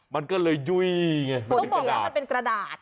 มันก็เลยยุ้ยมันเป็นกระดาษ